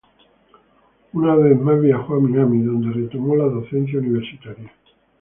Una vez más viajó a Miami, donde retomó la docencia universitaria.